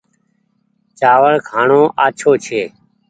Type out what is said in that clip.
چآوڙ کآڻو آڇو ڇي ۔